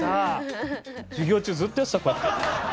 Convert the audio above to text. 授業中ずっとやってたこうやって。